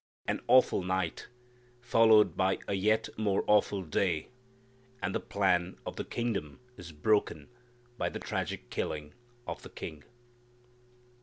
An awful night, followed by a yet more awful day, and the plan of the kingdom is broken by the tragic killing of the King.